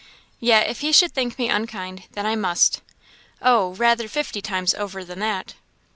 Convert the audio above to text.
"Yet, if he should think me unkind, then I must oh! rather fifty times over than that!"